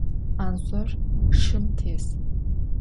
Anzor şşım tês.